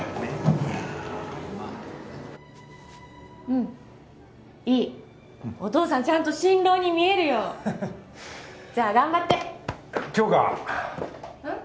うんいいお父さんちゃんと新郎に見えるよハハじゃあ頑張って杏花うん？